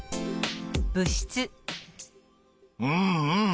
うんうん